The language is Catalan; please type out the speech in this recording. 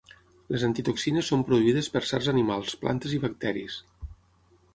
Les antitoxines són produïdes per certs animals, plantes i bacteris.